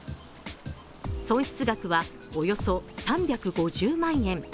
損失額はおよそ３５０万円。